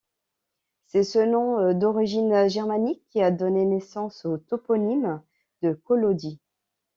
C’est ce nom d’origine germanique qui a donné naissance au toponyme de Collodi.